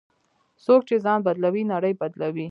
څوک چې ځان بدلوي، نړۍ بدلوي.